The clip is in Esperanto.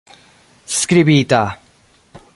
skribita